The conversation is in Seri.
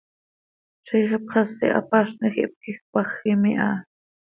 Ziix ipxasi hapaznij hipquij cpajim iha.